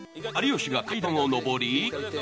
有吉が階段を登り。